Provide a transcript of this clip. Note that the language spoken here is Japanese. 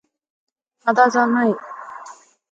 肌寒い。